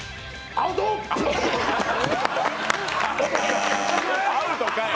アウトかい！